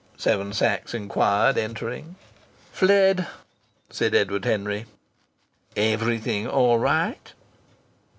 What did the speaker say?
Seven Sachs inquired, entering. "Fled!" said Edward Henry. "Everything all right?"